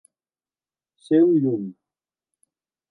Ser un llum.